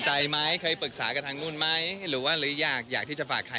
จริงไม่ได้คาดหวังเยอะขนาดนั้นหรอกว่าขอแล้วต้องได้